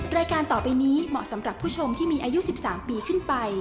รายการต่อไปนี้เหมาะสำหรับผู้ชมที่มีอายุ๑๓ปีขึ้นไป